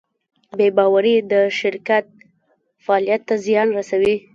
بېباورۍ د شرکت فعالیت ته زیان رسوي.